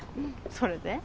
それで？